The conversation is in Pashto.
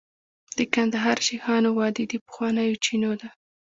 د کندهار شیخانو وادي د پخوانیو چینو ده